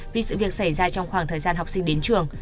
vì sự việc xảy ra trong khoảng thời gian học sinh đến trường